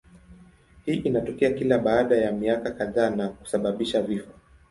Hii inatokea kila baada ya miaka kadhaa na kusababisha vifo.